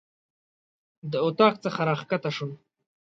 د اطاق څخه راکښته شوم.